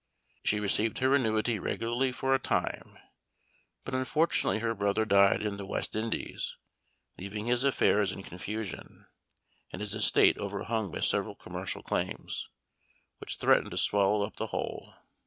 She received her annuity regularly for a time, but unfortunately her brother died in the West Indies, leaving his affairs in confusion, and his estate overhung by several commercial claims, which threatened to swallow up the whole.